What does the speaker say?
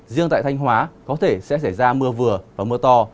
riêng tại thanh hóa có thể sẽ xảy ra mưa vừa và mưa to